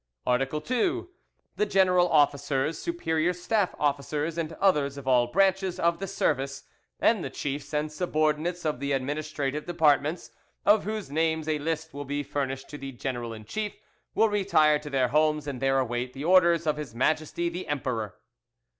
"Art. 2. The general officers, superior staff officers and others of all branches of the service, and the chiefs and subordinates of the administrative departments, of whose names a list will be furnished to the general in chief, will retire to their homes and there await the orders of His Majesty the Emperor.